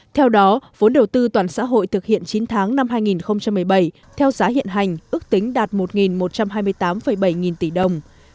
theo đó vốn đầu tư toàn xã hội thực hiện chín tháng năm hai nghìn một mươi bảy theo giá hiện hành ước tính đạt một một trăm hai mươi tám bảy nghìn tỷ đồng